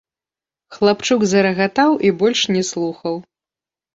Хлапчук зарагатаў і больш не слухаў.